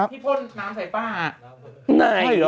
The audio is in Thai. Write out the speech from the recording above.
ไหนหรอ